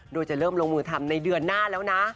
โดยจะเริ่มลงมือทำในเดือนหน้าแล้วนะ